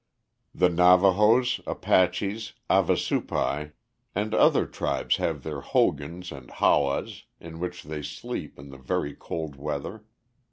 The Navahos, Apaches, Havasupais, and other tribes have their "hogans" and "hawas" in which they sleep in the very cold weather.